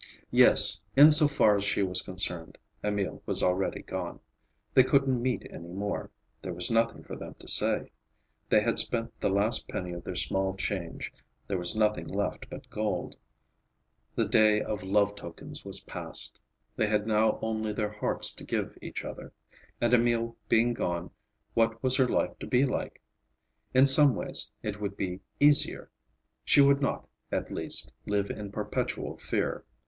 Yes, in so far as she was concerned, Emil was already gone. They couldn't meet any more. There was nothing for them to say. They had spent the last penny of their small change; there was nothing left but gold. The day of love tokens was past. They had now only their hearts to give each other. And Emil being gone, what was her life to be like? In some ways, it would be easier. She would not, at least, live in perpetual fear.